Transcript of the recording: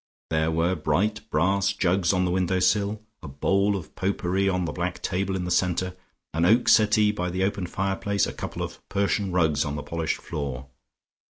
There were bright brass jugs on the window sill, a bowl of pot pourri on the black table in the centre, an oak settee by the open fireplace, a couple of Persian rugs on the polished floor.